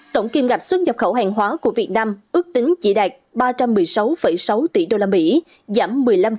tổng kiêm ngạp xuất nhập khẩu hàng hóa của việt nam ước tính chỉ đạt ba trăm một mươi sáu sáu tỷ đô la mỹ giảm một mươi năm